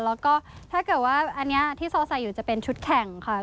แล้วก็ถ้าเกิดว่าอันนี้ที่โซใส่อยู่จะเป็นชุดแข่งค่ะ